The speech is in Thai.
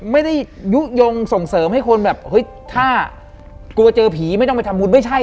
ไม่ได้ยุโยงส่งเสริมให้คนแบบเฮ้ยถ้ากลัวเจอผีไม่ต้องไปทำบุญไม่ใช่